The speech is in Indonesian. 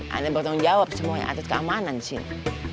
anda bertanggung jawab semuanya atas keamanan di sini